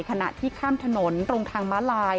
ขณะที่ข้ามถนนตรงทางม้าลาย